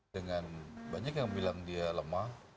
dengan banyak yang bilang dia lemah